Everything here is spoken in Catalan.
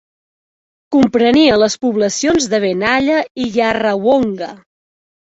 Comprenia les poblacions de Benalla i Yarrawonga.